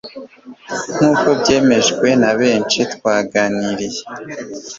Nkuko byemejwe na benshi twaganiriye